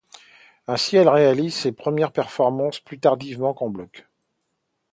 Ainsi elle réalise ses premières performances plus tardivement qu’en bloc.